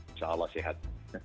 insya allah sehat